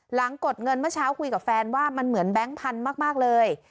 กดเงินเมื่อเช้าคุยกับแฟนว่ามันเหมือนแบงค์พันธุ์มากเลย